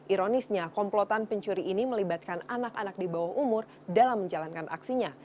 ironisnya komplotan pencuri ini melibatkan anak anak di bawah umur dalam menjalankan aksinya